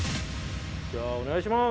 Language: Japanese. じゃあお願いします！